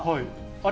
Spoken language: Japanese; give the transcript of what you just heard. あれ？